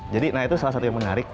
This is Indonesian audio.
jadi nah itu salah satu yang menarik